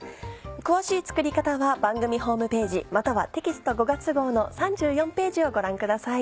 詳しい作り方は番組ホームページまたはテキスト５月号の３４ページをご覧ください。